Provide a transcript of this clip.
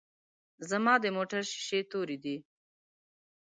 ځما دموټر شیشی توری دی.